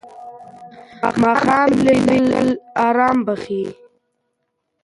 ماښام لمبېدل آرام بخښي.